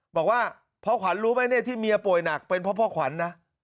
บอกว่าพ่อขวัญรู้ไหมเนี่ยที่เมียป่วยหนักเป็นเพราะพ่อขวัญนะ